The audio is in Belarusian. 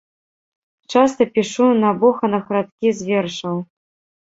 Часта пішу на боханах радкі з вершаў.